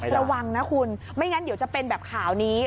ระวังนะคุณไม่งั้นเดี๋ยวจะเป็นแบบข่าวนี้